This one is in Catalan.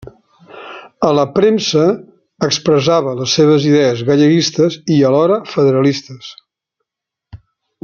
A la premsa expressava les seves idees galleguistes i alhora federalistes.